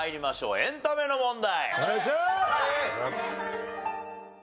エンタメの問題。